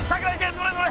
乗れ乗れ。